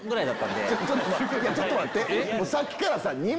ちょっと待って。